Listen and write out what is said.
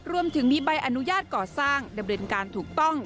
รวมถึงมีใบอนุญาตก่อสร้างดำเนินการถูกต้อง